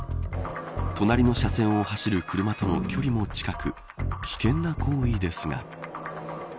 隣の車線を走る車との距離も近く危険な行為ですが。